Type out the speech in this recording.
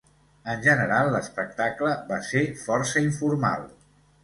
En general, l'espectacle va ser força informal.